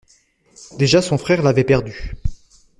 Déjà son frère l'avait perdu.